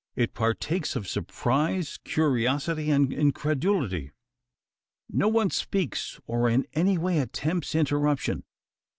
It partakes of surprise, curiosity, and incredulity. No one speaks, or in any way attempts interruption.